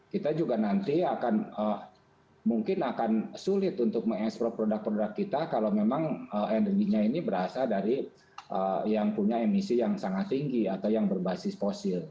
kita juga nanti akan mungkin akan sulit untuk mengeksplor produk produk kita kalau memang energinya ini berasal dari yang punya emisi yang sangat tinggi atau yang berbasis fosil